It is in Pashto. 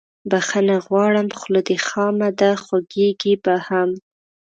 بخښنه غواړم خوله دې خامه ده خوږیږي به هم